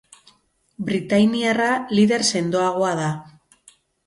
Britainiarra lider sendoagoa da.